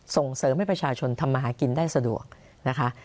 ส่งเสริมให้ประชาชนทำมาหากินได้สะดวกนะคะ